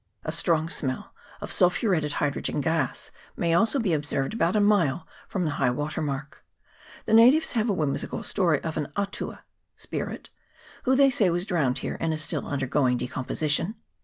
A strong smell of sulphuretted hydrogen gas may also be observed about CHAP. VII.] MOUNT EGMONT. 135 a mile from high water mark. The natives have a whimsical story of an "atua" (spirit), who they say was drowned here, and is still undergoing decom position.